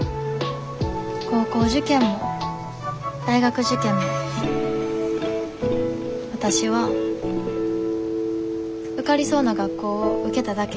高校受験も大学受験もわたしは受かりそうな学校を受けただけ。